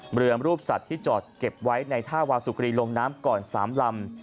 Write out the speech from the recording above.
เรือรูปสัตว์ที่จอดเก็บไว้ในท่าวาสุกรีลงน้ำก่อน๓ลำ